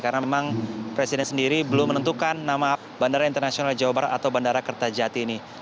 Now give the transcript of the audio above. karena memang presiden sendiri belum menentukan nama bandara internasional jawa barat atau bandara kertajati ini